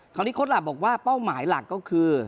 นี้โค้ดหลักบอกว่าเป้าหมายหลักก็คือ